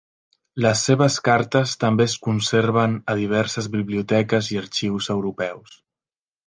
Les seves cartes també es conserven a diverses biblioteques i arxius europeus.